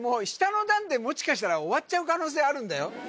下の段でもしかしたら終わっちゃう可能性あるんだよ